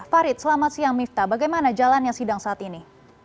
farid selamat siang mifta bagaimana jalannya sidang saat ini